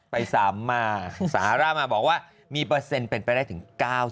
ไปซ้ำมาสาระมาบอกว่ามีเปอร์เซ็นต์เป็นไปได้ถึง๙๐